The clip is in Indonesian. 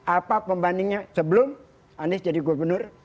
apa pembandingnya sebelum anies jadi gubernur